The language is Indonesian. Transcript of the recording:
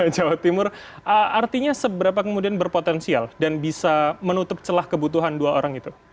jawa timur artinya seberapa kemudian berpotensial dan bisa menutup celah kebutuhan dua orang itu